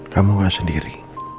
kamu gak sendiri